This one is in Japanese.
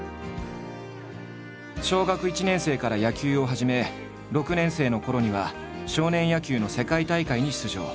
小学１年生から野球を始め６年生のころには少年野球の世界大会に出場。